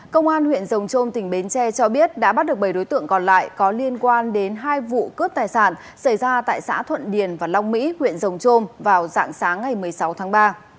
công an huyện rồng trôm tỉnh bến tre cho biết đã bắt được bảy đối tượng còn lại có liên quan đến hai vụ cướp tài sản xảy ra tại xã thuận điền và long mỹ huyện rồng trôm vào dạng sáng ngày một mươi sáu tháng ba